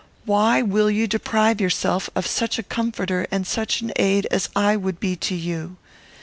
Why will you deprive yourself of such a comforter and such an aid as I would be to you?